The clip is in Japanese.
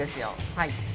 はい。